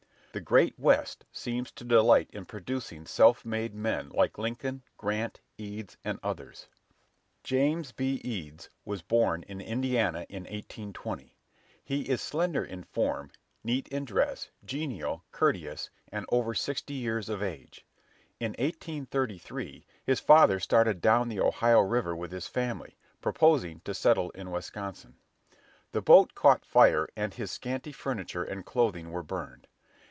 The "Great West" seems to delight in producing self made men like Lincoln, Grant, Eads, and others. James B. Eads was born in Indiana in 1820. He is slender in form, neat in dress, genial, courteous, and over sixty years of age. In 1833, his father started down the Ohio River with his family, proposing to settle in Wisconsin. The boat caught fire, and his scanty furniture and clothing were burned.